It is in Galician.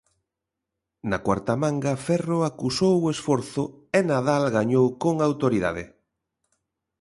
Na cuarta manga Ferro acusou o esforzo e Nadal gañou con autoridade.